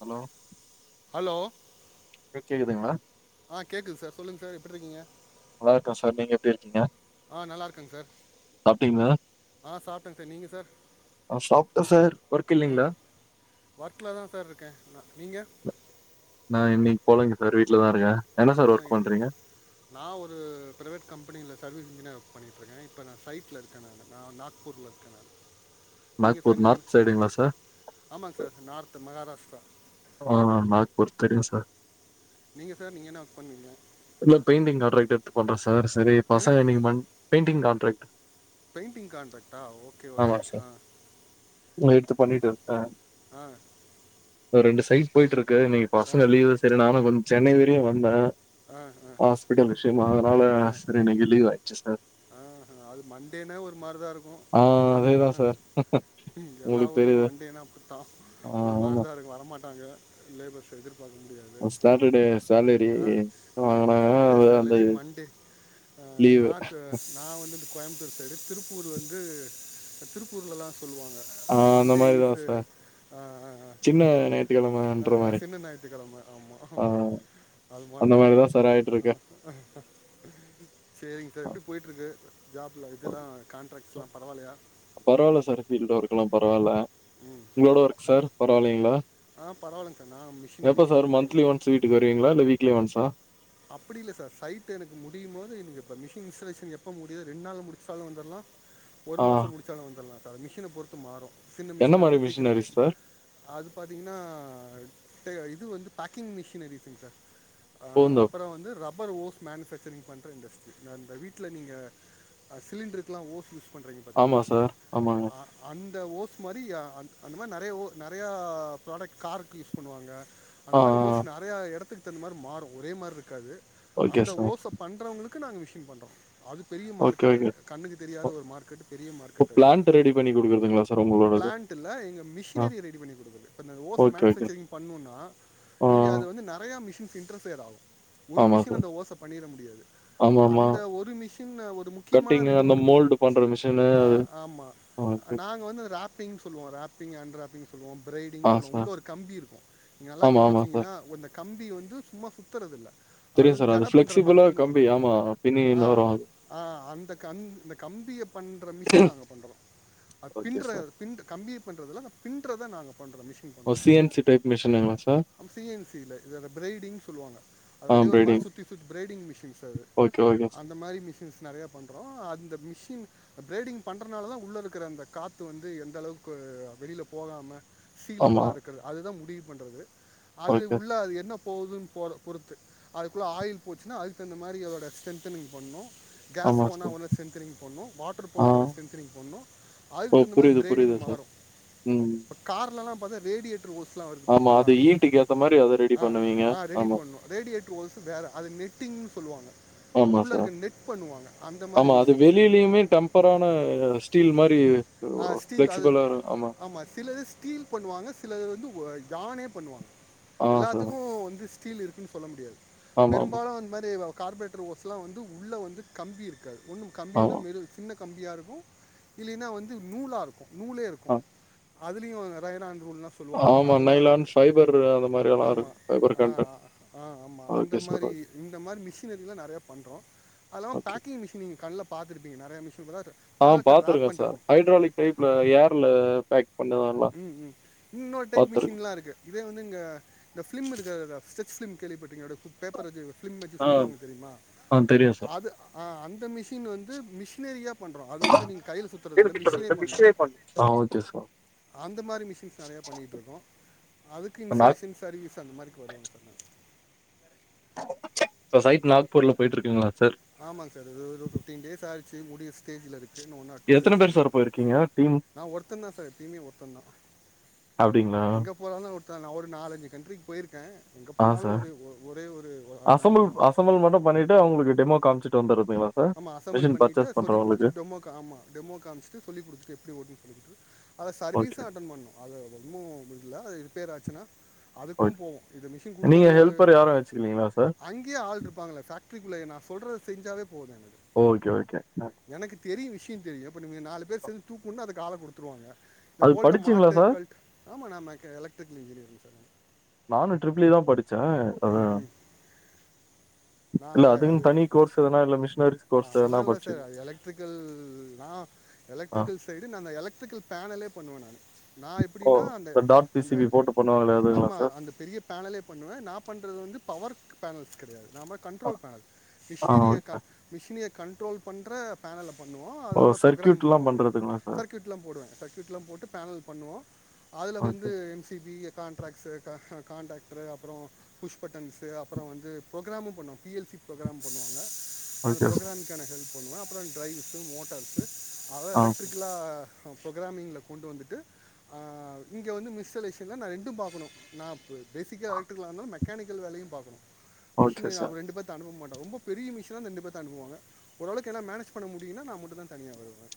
Hello லோ கேக்குதுங்களா ஆ கேக்குது சார் சொல்லுங்க சார் விட்ருக்கீங்க நல்லா இருக்க சார் நீங்க எப்டி இருக்கீங்க ஆ நல்லா இருக்கேங்க சார் சாப்ட்டீங்களா ஆ சாப் டேங்க சார் நீங்க சார் ஆ சாப்ட்டே சார் ஒர்க் ஆ இல்லைங்களா வா்கிலாதா சார் இருக்கே நீங்க நா இன்னைக்கு போலங்க சார் வீட்டு்லதா இருக்கே என்ன சார் ஆ ஒர்க் இருக் பண்றீங்க நா ஒரு பிரைவேட் கம்பெனில சர்வீஸ் இன்ஜினியரா ஒர்க் பண்ணிட்ருக்கே இப்போ நா சைட்ல இருக்கே நா நா நாக்பூர்ல இருக்கே நா நீங்க சார் நாக்பூர் நீங்க நார்த் சைடுங்களா சார் ஆமாங்க சார் நார்த் மகாராஷ் த ஆ நாக்பூர் தெரியு சார் நீங்க சார் நீங்க என்ன ஒர்க் பண்ணுரீங்க கோட்ரஸ் தோட சரி பசங்க இன்னக்கி மண்த் பெயண்டிங் கான்ட்ரேக்ட் பெயிண்டிங் கான்ட்ராக்ட்டா ஓகே ஓகே ஆ சார் எடுத்து எப்டி பண்ணிட்டு ஆ ஒரு ரிண்டு சைஸ்ட் போயிட்டு இருக்கு கு இன்னைக்க்கு ஆ பசங்க லீவ் சரி நானு கொ சென்னை வரியு வந்தே ஆ ஆ ஹாஸ்பிட்டல் விஷயமா அதனால சார் இன்னைக்கு லீவ் ஆயிடுச்சு சார் ஆ அது மண்டேனா ஒரு மாரிதா இருக்கு ஆ அப்டிதானே அதேதா சார் எல்லா உங்களுக்கு ஊர்லயு தெரியுது மண்டேனா அப்டித்தான் ஆ ஒரு ஆமா மாரிதா இருக்கு வர மாட்டாங்க லேபர்ஸைடு அ சாட்டர்டே சாலரி ஆ ஆ வாங்கினாங்கனா சாட்டர்டே அந்த சேலரி லீவு நா வந்துட்டு கோயமுத்தூர் சைடு திருப்பூர் வந்து திருப்பூர்ல்லலா சொல்லுவாங்க ஆ அந்த மண்டே மாரி தான் சார். சின்ன ஞாயித்துக்கிழமன்ற மாரி. சின்ன ஞாயிற்றுக்கெழம ஆமா ஆ அது அந்த மாதிரதா மாரி தான் எல்லாத்த சார் ஆயிட்டுருக்கு. சரி சார் எப்டி போயிட்டு இருக்கு ஜாப்ல இதுவெல்லா கான்ட்ராக்ட்ஸ் எல்லா பரவாயில்லயா லாம் பரவாயில்ல உங்களோட ஒர்க் சார் பரவாயில்லலைங்ளா ஆ பரவாயில்லைங்க சார் நான் எப்ப மிஷினரி சார் அந்த மாதிரி மந்திலி ஒன்ஸ் வீட்டுக்கு வருவீங்களா இல்ல வீக் வீக்லி ஒன்ஷா அப்டி இல்ல சார் சைட் எனக்கு முடியும் போது எனக்கு இப்ப மிஷின் இன்ஸ்டாலேஷன் எப்ப முடியுது ரெண்டு நாள் முடிச்சாலும் வந்துடலாம் ஒரு ஆ மாசம் முடிச்சாலும் வந்துடலாம் அது மிஷினை பொறுத்து மாறு சின்ன என்ன மிஷினா மாரி இருந்தா சீக்கிரம் மிஷினரிஸ் சார்? அது பாத்தீங்கனா இது வந்து பேக்கிங் மிஷினரிஸுங்க சார் ப்போ வந்த அப்புறம் ரப்பர் ஓஸ் மேனுஃபேக்சரிங் பண்றது இந்த வீட்ல நீங்க சிலிண்டருக்கெல்லா ஓஸ் யூஸ் பண்ண பண்றீங்க ஆமா பாத்தீங்ளா சார். ஆமாங்க. அந்த ஓஸ் இது மாரியா அந்த மாதிரி நெறய நெறயா ப்ராடக்ட் காருக்கு யூஸ் பண்ணுவாங்க ஆ, அது மாதிரி ஆ. ஓசு நெறய எடத்துக்கு மாரி மாறு ஒரே மாரி இருக்கு இருக்காது ஓகே அந்த சார். ஓச பண்றவங்களுக்கு அங்க நாங்க மிஷின் பண்றோம் அது பெரிய ஓகே, மார்க்கெட் அது ஓகே. கண்ணுக்கு தெரியாத ஒரு மார்கெட் பெரிய ஓ மார்க்கெட் அது பிளான்ட் ரெடி பண்ணி குடுக்குறதுங்களா சார் உங்களோடது? பிளான்ட் இல்ல ஆ, மிஷினறிய ரெடி பண்ணி குடுக்குறது இப்ப ஓஸஸ ஓகே, ஓகே. மேனுவேக்சரிங் பண்ணோனா ஆ, நீங்க அது வந்து நெறய மிஷின் இன்ட்டர்ஃபியரா ஒரு ஆமா மிஷின் சார். அந்த ஓச பண்ணிட முடியாது ஆமாமா. அந்த ஒரு மிஷின் ஒரு முக்கியமான கட்டிங்கு ரெண்டு அந்த மூனு மோல்டு பண்ற மிஷினு ஆ அது ஆமா நாங்க வந்து அத ராப்பிங்னு சொல்வோ ராப்பிங் அன்ராப்பிங் சொல்லுவோ ஆ பிரைடிங்ன்னு சொல்லுவோ உள்ள சார் ஒரு கம்பி இருக்கு நல்லா ஆமா ஆமா சார் கவனிச்சீங்கனா கம்பி வந்து சும்மா சுத்த உத்தரதில் அது தெரியு வந்து சார் ஜட பின்ற மாரி ஃபிளெக்சிபிளா பின்னுவாங்க கம்பி ஆமா ஆ பின்னின்னு வரு அது ஆ அந்த கம்பிய அந்த கம்பிய பண்ற மிஷின் நாங்க பண்றோ ஓகே சார் பிண்றத கம்பிய பிண்றத நாங்க பண்றோ மிஷின் ஓ சி பண்றாங்க என் சி டைப் மிஷினுங்களா சார் சிஎன் சி இல்ல பிரைடிங்னு சொல்லுவாங்க அது ஆ அப்படியே ஒரு மாதிரி ப்ரீடிங் சுற்றி சுற்றி பிரைடிங் மிஷின்ஸ் அது ஓகே ஓகே சார் அந்த மாதிரி மிஷின்ஸ் நிறையா பண்ணுறோம் அந்த மிஷின் பிரைடிங் பண்றதுனாலதான் உள்ள இருக்கிற அந்த காத்து வந்து எந்த அளவுக்கு வெளியில போகாம ஆமா சீலபலா இருக்கிறது அதுதான் முடி பண்ணுறது அது ஓகே சார் உள்ள என்ன போகுதுன்னு போற பொறுத்து அதுக்குள்ள ஆயில் போச்சுன்னா அதுக்கு அந்த மாதிரி அதோட ஸ்ட்ரென்தனிங்பண்ணணும் கேஸ் ஆமா போனா சார் ஒரு ஸ்ட்ரென்தனிங்பண்ணணும் வாட்டர் ஆ போன அதுக்கு ஸ்ட்ரென்தனிங்பண்ணணும் அதுக்கு ஓ தகுந்த மாதிரி புரியுது புரியுது ட்ரைட்டிங் சார் ம் பண்ணனும் ஆமா அது ஈட்டுக்கு ஏத்த மாதிரி அத ரெடி பண்ணுவீங்க ஆமா எல்ஸ் வேற அது நெட்டிங்னு சொல்லுவாங்க ஆமா உள்ளே இருக்க சார் நெட் பண்ணுவாங்க அந்த மாதிரி ஆமா அது மிஷின்ஸ் வெளியிலயுமே டெம்பரான ஸ்டீல் மாதிரி ஆ ஸ்டீல் அது ஆமா சிலர் ஸ்டீல் பண்ணுவாங்க சிலது வந்து தானே பண்ணுவாங்க ஆ சார் எல்லாத்துக்கும் வந்து ஸ்டீல் இருக்குன்னு சொல்ல முடியாது ஆமா ஆமா பெரும்பாலும் அந்த மாதிரி கார்பரேட்டர் ஓஸ்லாம் வந்து உள்ளே வந்து கம்பி இருக்கு ஒன்னும் ஆமா கம்பியந்த சின்னக் கம்பியா இருக்கும் இல்லைன்னா வந்து நூலா இருக்கும் ல்ல ஆ அதுலயும் எலக்ட்ரான் லாம் சொல்லுவாங்க ஆமா. அதுலாம் நைலான் இருக்கு ஃபைபர் அந்த மாரியெல்லாம் இருக்கும். ஆமாம் ஃபைபர் அ கன்டென்ட். ஆமாம் அந்த ஓகே சார். ஓகே, மாதிரிஇந்த மாதிரி மிஷன்ஸ் லாம் பண்றோம் ஓகே. பேக்கிங் மிஷன்ஸ் கண்ல பார்த்து இருக்கீங்க தானே ஆ பலட்ட ராப் பார்த்துருக்கேன் சார். பண்றது ஹைட்ராலிக் இப்ப டைப்ல ஏர்ல பேக் பண்ணதெல்லாம் உம் உம் இன்னொரு டைப் மிஷின் பார்த்துருக்கேன். எல்லாம் இருக்கு இதே வந்து இங்க இந்த பிலிம் இருக்க ஸ்டெச்லி கேள்விப்பட்ரு கிங்க பேப்பர் வச்சு பிலிம் வச்சு ஆ, சுத்துவாங்க தெரியுமா ஆ தெரியும் சார். அது அந்த மிஷின் வந்து மிஷின் எந்த ஏரியா பண்றோம் அது வந்து நீங்க கையில சுத்தி அந்த மிஷினே பண்ணு ஆ ஓகே சார். அந்த மாரி மிஷின்ஸ் நெறையா பண்ணிகிட்டுருக்கோ அதுக்கு நாக் இன்சுலேஷன் சர்வீஸ் அந்த மாரிக்கு வருவாங்க சார் இப் ச்ச இப்ப சைட் நாக்பூர்ல போயிட்டு இருக்கங்களா சார் ஆமாங்க சார் ஒரு பிஃப்டீன் டேஸ் ஆயிச்சு முடிய ஸ்டேஜ் இருக்கு ஒ ஆர் டூ எத்தன டேஸ்ல பேர் சார் எனக்ஒர்க் போயிருக்கீங்க டீம்? நா ஒருத்தன் தா சார் தம ஒருத்த தா அப்டிங்களா? எங்க போனாலு ஒரு சார் நா ஒரு நாலஞ்சு கண்ட்ரிக்கு போயிருக்கே அ சார் ஆள் தான் அசம்புள் அனுப்புவாங்க அசம்புள் மட்டு பண்ணிட்டு அவங்களுக்கு டெமோ காமிச் தொந்தரவ் ஆமா அசம்புள் பண்ணிட்டு சொல்லி குடுத்து டெமோக் ஆமா டெமோ காமிச்சுட்டு சொல்லி குடுத்துட்டு எப்டி [unintelligible] அ சர்வீஸ் ஓகே, அட்டன் பண்ணு அது ஒன்னு இல்ல பேராச்சனா அதுக்கும் ஓகே. போவோ இந்த மிஷின் நீங்க குடுத்தது ஹெல்ப்பர் யாரும் வச்சுக்கலீங்களா சார்? அங்கேயே ஆள் இருப்பாங்கள பேட்ரிக்குள்ளா சொல்ற செஞ்சாவே ஓகே, ஓகே. [unintelligible] எனக்கு தெரியு விஷ [unintelligible] தெரியு இப்ப நீங்க நாலு பேர் தூக்குன் அது கால ட்ருவாங்க இந்த அது போல்ட்டா படிச்சீங்களா மாட்டு சார்? கல்ட் ஆமா ந எலக்டிரிக்கல் இன்ஜீனியர் நானு ட்ரிபிலி தா படுச் சே அதா ம் ம் இல்ல அதுன் தனி கோர்ஸ் எதுனா இல்ல மிஷ் அதெல்லா இல்ல சார் எலக்ட்ரிக்கல் நா ஆ எலக்ட்ரிக்கல் சைடு நா அந்த எலக்ட்ரிக்கல் பேனலே பண்ணுவே நானு நா ஓ எப்டின்னா அந்த இந்த டாட் பி அந்த சி பி போட்டு பண்ணுவாங்களே அதுங்களா ஆமா சார் அந்த பெரிய பேனலே பண்ணுவே நா பண்றது வந்து பவர் பேனல்ஸ் கெரடையாது நாம ஆ கண்ட்ரோல் பேனல் கிஷ்ஷிரியக்க ஓகே இது கண்ட்ரோல் பண்ற பேனல் பண்ணுவோ அது ஓ இல்லாமல் ப்ரோக்ராம் சர்க்யூட்லா பண்ணுவாங்க பண்றதுங்களா சார் சர்க்கியூட்டாலா போடுவாங்க சர்க்கியூடலா போட்டு பேனல் பண்ணுவோ அதில் வந்து okay M C B contracts contractor அப்பறம் புஷ்பட்டன்ஸ் அப்புறம் வந்து ப்ரோக்ராமு பண்ணுவா பி எல் சி ப்ரோக்ராம் பண்ணுவாங்க அந்த ஓகே சார் ப்ரோகிராம் கான ஹெல்ப் பண்ணுவ அப்பறம் டரைவ்ஸு மோட்டார்ஸு அத ஆ சார் எலக்ட்ரிகலா ப்ரோக்ராமிங்கில் கொண்டு வந்துட்டு அ இங்கே வந்து மிஸ்டலேஷனில் நா ரெண்டு பாக்கணு நா இப்போ பேசிக்காக எலக்ட்ரக்கலாக இருந்தாலு மெக்கானிக்கல் வேலையும் பாக்கணு மிஷின் ஓகே சார் அவ ரெண்டு பேத்த அனுப்ப மாட் ரொம்ப பெரிய மிஷனா ரெண்பத் அனுபுவாங்க ஓரளவுக்கு ஏனா மேனேஜ் பண்ண முடியுனா நா மட்டுதா தனியா வருவே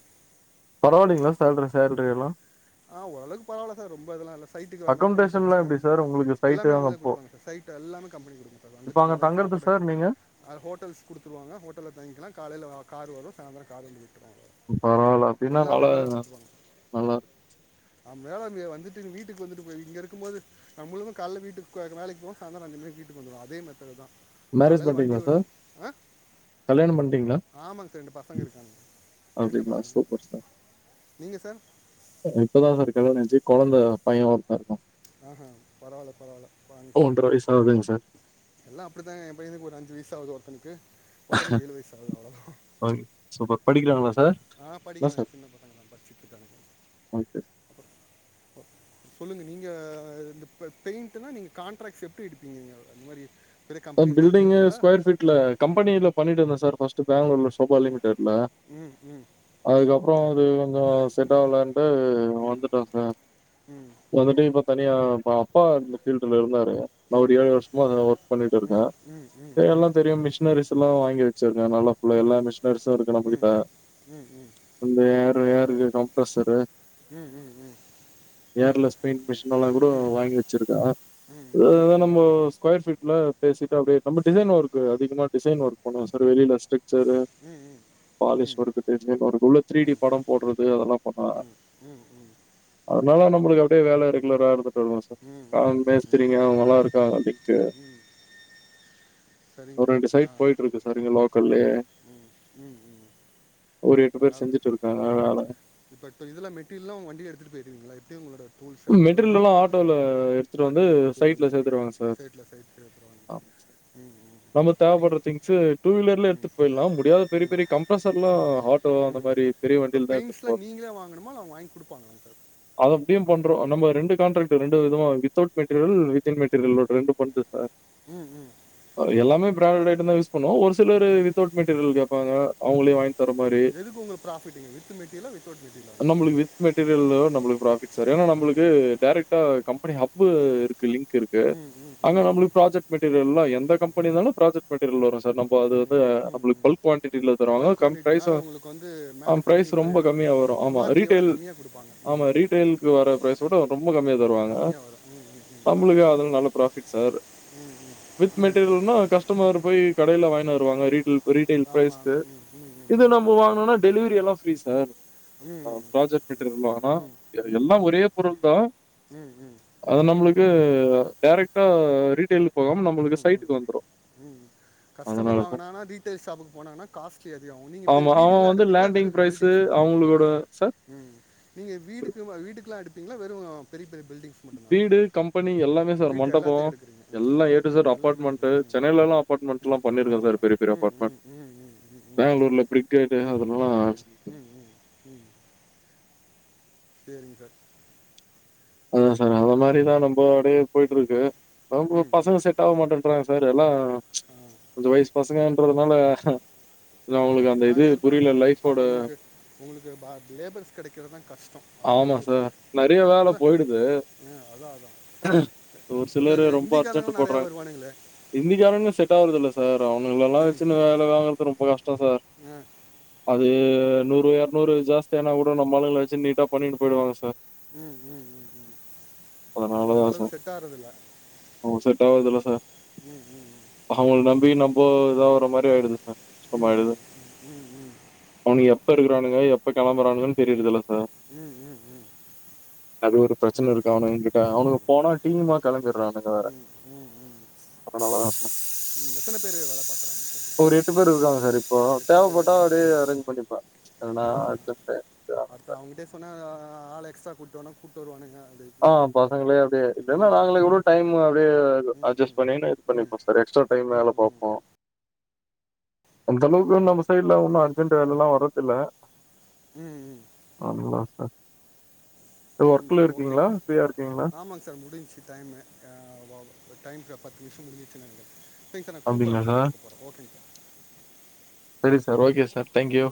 பரவால்லிங்களா சேல்ரி சேல்ரி எல்லா ஆ ஓரவுக்கு பரவால சார் ரொம்ப இதெல்லா இல்ல சா சைட்டுக்கு வந்தாலு கொஞ்சோ அக்கமடேஷன்லா தப்பிச்சுக்குவே எப்டி சார் உங்களுக்கு சைட்டு எல்லமே அங்க அவுங்களே போ குடுப்பாங்க சார் சைட்டு எல்லாமே கம்பெனி குடுக்கமாட்டாங்க இப்ப வந்துட்டு அங்க போகறது தங்கறது சாப்பாடு சார் நீங்க அ ஹோட்டல்ஸ் குடுத்துருவாங்க ஹோட்டல்ல தங்கிக்கலா காலையில வா காரு வரும் சாயந்திரம் காரு வந்து விட்டுருவாங்க பரவாயில்ல அப்பிடின்னா எல்லாமே அவங்களே நல்லதுதா நல்லா மேலே [unintelligible] வந்துட்டு வீட்டுக்கு வந்துட்டு போய் இங்க இருக்குபோது நம்மழுக்கு கால வீட்டுக்கு கோக வேலைக்கு போவோ சாயங்கால அஞ்சு மணி வீட்டுக்கு வந்துருவோ அதே மெததேடுதா மேரேஜ் காலையில வண்டி பண்ட்டீங்களா வரு சார் அ கல்யாணம் பண்ட்டீங்களா ஆமாங்க சார் ரெண்டு பசங்க இருக்காங்க சின்ன அப்டிங்களா பசங்க சூப்பர் சார் நீங்க சார் இப்போதா சார் கலயாணச்சி கொழந்த பையன் ஒருத்த இருக்கா ஆஹ பரவாயில்ல பரவாயில்ல கோங் சார் ஒன்ற வயசு ஆகுதுங்க சார் எல்லா அப்பிடித்தாங்க ப்ப எனக்கு ஒரு அஞ்சு வயசு ஆவுது ஒருத்தனுக்கு ஒருத்தனு ஏழு வயசு ஆவுது அவ்ளதா ஓகே. சூப்பர். படிக்கிறாங்களா சார்? ஆ இல்ல படிக்கறாங்க சார். சின்ன பசங்க தா படிச்சிட்ருக்கானுங்க ஓகே. அப் ஓ சொல்லுங்க நீங்க இந்த பெ பெயிண்ட்னா நீங்க கண்டட்ராக்ட்ஸ் எடுப்பீங்க நீங்க அந்த மாரி பில்டிங்கு ஸ்கொயர் பீட்ல கம்பெனில பண்ணிட்டுந்தே சார் பர்ஸ் ட் பெங்களூர்ல சோபா லிமிடெட்ல ம் ம் அதுக்கப்புறோ ஒரு அங்கா செட்ட ஆலவலன்ட்டு ம் வந்துட்டோ சார் ம் வந்துட்டு இப்ப தனியா பா அப்பா இந்த பீல்டல இருந்தரு ரு அவுரு ஒரு ஓஹோ ஏழு வருஷமா அது ஓ விட்டு இருக்கே ம் ம் ம் ஏ ம் எல்லா தெரியு மிஷினர் பிர்ஸ்லா வாங்கிவச் ச்சிருக்கே நல்லா ஃபுல்லா ம் ம் எல்லா மிஷின்னர்ஸ் இருக்கு நம்ம ம் கிட்ட ம் ம் ம் இந்த ஏர் ஏர் கம்பர்சரு ம் ம் ம் ம் ம் ம் ஏர்ல ஸ்சுவின் மிஷின்ல்லா குடு ம் ம் ம் வாங்கி வச்சிருக்கே ம் ம் ம் ம் எதோ நம்ம சுகுயர் ஃபீட் துல்ல பேசிட்டு அப்பிடியே நம்ம டிசைன் ஒர்க் அதிகமா டிசைன் ஒர்க் பண்ணுவே சார் வெளியல ஸ்ட்டிரிக் சேரி பாலிஸ் [unintelligible] திரீடி படம் போடுறது அதெல்லா பண்ணா ம் ம் அ ன்னால நம்மளுக்கு அப்பிடியே வேல ரெகுலரா அது சொல்லுக சார் ஆ ம் ம் பேசுறீங்க அவுங்க நல்லா இருக்காங் வித்து சரிங்க சார் ஆ சைட் போயிட்டு இருக்கு சார் இங்க லோக்கல்லயே. ம் ம் ம் ம் ஒரு பேர் அதனால செஞ்சுட்டு இருக்காங்க ம் வேல. இப்பட்டு இதுல மெட்டிரியல்லாம் அவுங்க வண்டில எடுத்துட்டு போயிருவீங்களா எப்டி ம் உங்களோட டூல்ஸ் அதெல்லாம் மெட்டிரியல்லாம் ஆட்டோல எடுத்துட்டு வந்து ஆட்டோவில் எடுத்துகிட்டு சைட்ல போயிடுவீங்க ம் சேத்துருவாங்க சார் சைட்டில் சைட் எடுத்துருவாங்க ம் ம் நம்ம அப்பப்போ தேவைப்படுற நீங்கள் திங்க்ஸ் டூ வீலர்ல ம் எடுத்துட்டு போயிலாம் முடியாத பெரிய பெரிய கம்பர்சளாம் ம் இப்ப பெயிண்ட்ஸ்லாம் நீங்களே வாங்கணும அவங்க வாங்கி குடுப்பாங்களாங் சார் அத அப்படியும் பண்றோம் நம்ம ரெண்டு காண்ட்ரக்ட்டு ரெண்டு விதமா வித்தவுட் மெட்டீரியல் ஒன்னு வித்தின் மெட்டீரியல் ரெண்டு பண்றோ சார் ம் ம் பிராண்டு ஐட்டம் தான் யூஸ் பண்ணோ ஒரு சிலரு ம் வித்தவுட் மெட்டீரியல் கேப்பாங்க அவுங்களே ம் வாங்கி தர மாரி எதுக்கு உங்களுக்கு ப்ராஃபிட்டுங்க வித் மெட்டீரியலா வித்தவுட் மெட்டீரியலாங்க நம்மளுக்கு வித் மெட்டீரியல் நமக்கு ப்ராபிட் சரியானா நம்மளுக்கு ம் டேரக்ட்டா கம்பெனி ஹப்பு இருக் கு லிங்க் இருக்கு ம் ம் அங்க ம் ம் நம்மளுக்கு ப்ராஜெக்ட் மெட்டீரியல் எல்லாம் எந்த கம்பனி இந்தாலும் ப்ராஜெக்ட் மெட்டீரியல் வரும் து நம்ப அதுக்கு நம்மளுக்கு பல்க்கு குவான்டிட்டில தருவாங்க பல்க் கம் குவான்டிட்டினால ப்ரைஸும் உங்களுக்கு வந்து பிரைஸ் மேனுஃபேக்சரிங் ரொம்ப சைடு கம்மியா வரும் ஆமா எம்ஆர்பியோட ரீடைல் கம்மியாக கொடுப்பாங்க ஆமா ம் ரீடைல் வர பிரைஸ் ஓட ரொம்ப கம்மியா தருவாங்க கம்மியாக வரும் ம் ம் நம்மளுக்கு ம் அதுல நல்லா ப்ராபிட் சார் ம் ம் வித் ம் ம் மெட்டீரியல்னா கஸ்டமர் போயி கடையில வாங்கினு வருவாங்க ரீட் டில் ரீட்டைல் ஆமாம் பிரைஸ்க்கு ம் ம் ம் இது ம் நம்மோ வாங்கனுன்னா டெலிவரி எல்லாம் ப்ளீஸ் சார் அ ம் ப்ராஜெக்ட் மெட்டீரியல் வாங்குனா, ம் எ ம் ம் எல்லாம் ஒரே பொருள் தான் ம் அது நம்மளுக்கு டேரக்ட்டா ரீட்டைல் ம் ம் ம் ம் அதனால கஸ்டமர் சார். வாங்கானானா ரீட்டைல் ஷாப்புக்கு போனாங்கனா காஸ்ட்லி அதிகம் நீங்க இப்ப ஆமா. அவன் வீடுக்கெல்லாம் வந்து அடுப்பீங்களா லேண்டிங் வெறும் பிரைஸு பில்டிங்ஸ்க்கு மட்டும் தானா அவங்களோட சார் ம் நீங்க வீட்டுக்கு வ வீட் டுக்கலாம் அடிப்பீங்களா வெறும் பெரிய பெரிய மட்டும்தானா வீடு கம்பெனி எல்லாமே சார் வீட்டு எல்லாத்தையும் மண்டபம் எடுக்கிறீங்க ம் எல்லாம் ஏ ம் டூ இசட் ம் எல்லாமே அப்பாட்மெண்ட்டு எடுக்கிறீங்க ம் சென்னைலலாம் அப்பாட்மெண்ட்லா ம் பண்ணிருக்கேன் ஆமாம் சார் பெரிய பெரிய ம் ம் அப்பாட்மெண்ட் ம் ம் ம் ம் ம் ம் பேங்களூர்ல பிரிகேட்டு அதுலலாம் ம் ம் ம் சேரிங்க சார் அதா சார் அந்த மாரிதான் நம் போடே போயிட்டு ம் இருக்கு அவுங்க ம் ம் பசங்க செட் ஆவ மாட்டேன்றாங்க வேற எல்லா ஆ கொஞ்ச வயிஸ் பசங்க ட்டுருதுனால அப்டித்தாங்க இருப்பாங்க ஆனா பசங்களுக்கு உங்களுக்கு பா லேபர்ஸ் கெடைக்குறதுதா கஷ்டோ அது பெரிய பாடு இப்பதா போய்டுது ஒரு இப்போ சிலரு இந்த ரொம்பா அர்ஜென்ட்டு ஹிந்திக்காரங்களும் நிறையா போடுறாங்க வருவானுங்களே இந்திக்காரங்க செட்டாவுல் புதுல்ல சார் அவுனுங்கல்லா ம் வெச்சுனு வேல வாங்குறது ரொம்ப கஷ்டோ சார் ஆ அது நூறு எரநூறு ஜாஸ்தியானா கூட நம்மாளுங்கள வெச்சு நீட்டா பண்ணிட்டு போய்டுவாங்க சார் ம் ம் ம் ம் அவுங்க அதனால அந்த தான் அளவுக்கு சார். செட் ஆறதுல்ல அவங்க செட் ஆவறதில்ல சார். ம் ம் ம் அவங்கள சேரி நம்பி நம்ப இதாவுற மாரி ஆயிடுது சார். ம் கஷ்டமாயிடுது. ம் ம் ம் ம் அவனுங்க எப்ப இருக்குறானுங்க எப்ப கெளம்புறாங்கன் தெரியிரதில்ல சார் ம் ம் ம் அது ஒரு பிரெச்சன இருக்கு அவுணுங்கிட்ட அவனுங்க போனா டீமுமா கெளம்பிறானுங்க வேற எத்தனை பேர் வேலை பார்க்குறாங்க ஒரு எட்டு பேரு இருக்காங்க சார் இப் இப்போ எட்டு பேர் தேவப்பட்டா இருக்காங்க அப்டியே அரேஞ்ச் பண்ணிப்பா அது நா ஆ ஆமா. [inaudible] இருந்தா கூட்டுவானா கூட்டு வருவானுங்க அப்படி ஆ பசங்களே அப்டியே இல்லனா ம் நாங்களே கூட ம் டைமு அப்டியே ம் அட்ஜஸ்ட் பண்ணிட்டு இது ம் ம் பண்ணிப்போ சார் எக்ஸ்ட்ரா டைமு வேல ம் ம் பாப்போ அந்தளவுக்கு நம்ப இப்ப இல்ல சரி ஒன்னு சார் அர்ஜென்ட்டு வேலல்லா வரதில்ல ம் ம் ஆமா சார் இது ஒர்க்குல இருக் ஓகேங் ஆமாங் சார் முடிஞ்சு டைமு [inaudible] டைம்க பத்து நிம்ஷோ முடுஞ்சுருச்சுன் நெனைக்கிற சேரிங்க சார் கூப்புறங் சார் அப்புறோ கூப்புறங் ஓகேங் sir okay sir okay sir thank you